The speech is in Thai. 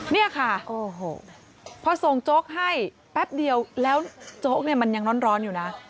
นี่ค่ะพอส่งโจ๊กให้แป๊บเดียวแล้วโจ๊กมันยังร้อนอยู่นะ